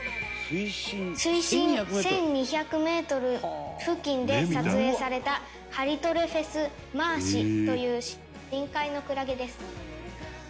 「水深１２００メートル付近で撮影されたハリトレフェスマーシという深海のクラゲです」